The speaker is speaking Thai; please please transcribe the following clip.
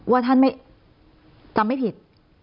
ว่าท่านไม่จำไม่ผิด